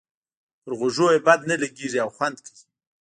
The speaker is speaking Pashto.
پر غوږونو یې بد نه لګيږي او خوند کوي.